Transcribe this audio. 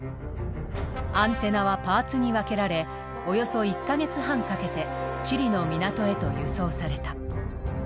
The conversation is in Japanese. アンテナはパーツに分けられおよそ１か月半かけてチリの港へと輸送された。